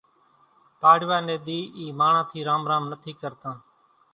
پاڙوا ني ۮِي اِي ماڻۿان ٿي رام رام نٿي ڪرتان